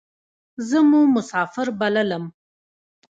زه مو کافر بللم.